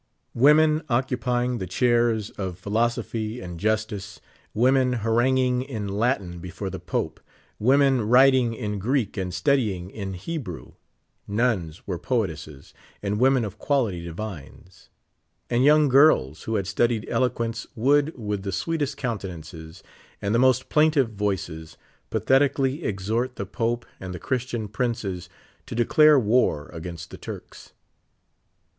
Women occupving: the chairs of Philosophy and Justice ; women haranguing in Latin before the Pope ; women writing in (4 reek and studying in Hebrew ; nuns were poetesses and women of quality divines ; and young girls who had studied eloquence would, with the sweetest countenances and the most plaintiff voices, pathetically exhort the Pope and the Christian princes to declare war against the Turks.